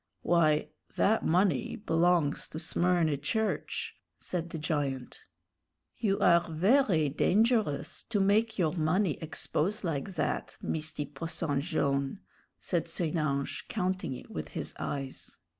"Why, that money belongs to Smyrny Church," said the giant. "You are very dengerous to make your money expose like that, Misty Posson Jone'," said St. Ange, counting it with his eyes.